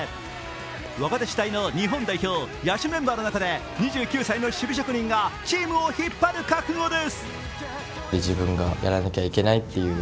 若手主体の日本代表、野手メンバーの中で２９歳の守備職人がチームを引っ張る覚悟です。